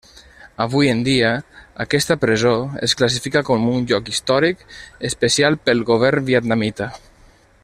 Avui en dia, aquesta presó es classifica com un lloc històric especial pel govern vietnamita.